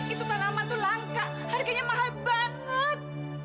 itu tanaman tuh langka harganya mahal banget